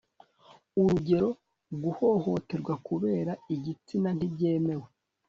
urugero guhohoterwa kubera igitsina ntibyemewe